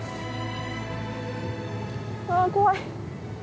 あ怖い。